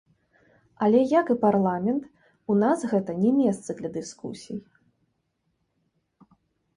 Але як і парламент, у нас гэта не месца для дыскусій.